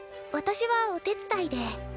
私はお手伝いで。